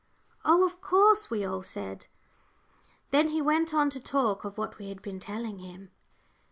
"Oh, of course," we all said. Then he went on to talk of what we had been telling him.